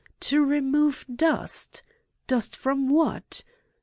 To remove dust! Dust from what?